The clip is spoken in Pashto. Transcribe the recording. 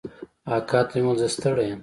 اکا ته مې وويل زه ستړى يم.